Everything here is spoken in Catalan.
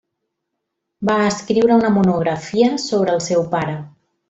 Va escriure una monografia sobre el seu pare.